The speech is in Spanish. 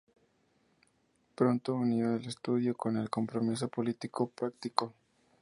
Pronto unió el estudio con el compromiso político práctico.